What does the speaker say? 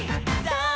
さあ